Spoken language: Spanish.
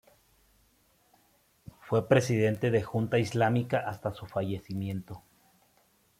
Fue presidente de Junta Islámica hasta su fallecimiento.